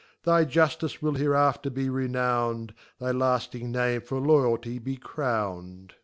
Thy Juftice will hereafter be renownd, Thy Iafting name (or Loyalty be crown d.